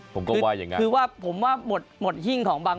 ผมก็แบบก็อย่างนั้น